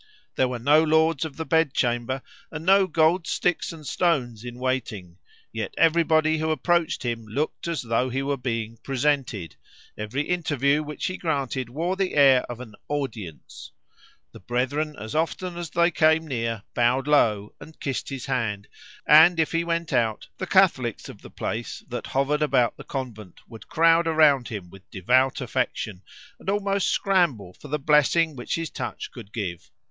There were no lords of the bedchamber, and no gold sticks and stones in waiting, yet everybody who approached him looked as though he were being "presented"; every interview which he granted wore the air of an "audience"; the brethren as often as they came near bowed low and kissed his hand; and if he went out, the Catholics of the place that hovered about the convent would crowd around him with devout affection, and almost scramble for the blessing which his touch could give.